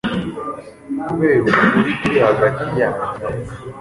kubera ukuri kuri hagati yanjye nawe